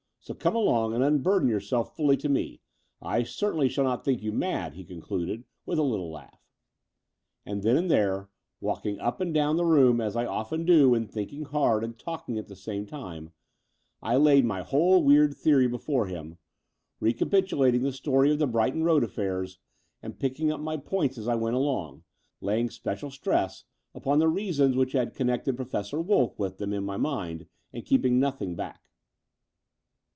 So come along and unburden yourself fully to me. I certainly shall not think you mad," he concluded, with a little laugh. And then and there, walking up and down the room as I often do when thinking hard and talking at the same time, I laid my whole weird theory before him, recapitulating the story of the Brighton Road affairs and picking up iny points as I went along, laying special stress upon the reasons which had connected Professor Wolff with them in my mind and keeping nothing bade.